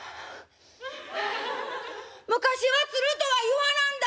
昔はつるとは言わなんだ」。